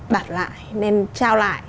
đặt lại nên trao lại